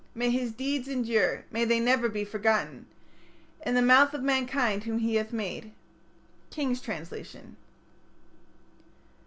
May his deeds endure, may they never be forgotten In the mouth of mankind whom his hands have made. _King's Translation.